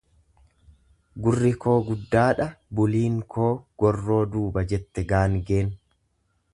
Gurri koo guddaadha buliin koo gorroo duuba jette gaangeen.